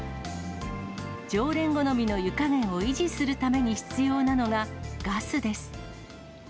常連好みの湯加減を維持するために必要なのが、ガスです。